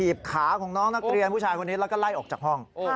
ขาของน้องนักเรียนผู้ชายคนนี้แล้วก็ไล่ออกจากห้อง